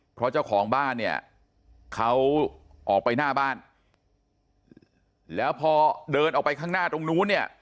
เพราะเจ้าของบ้านเนี่ยเขาออกไปหน้าบ้านแล้วพอเดินออกไปข้างหน้าตรงนู้นเนี่ย